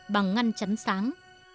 bằng ngăn chắn sáng